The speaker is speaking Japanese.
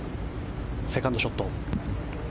セカンドショット。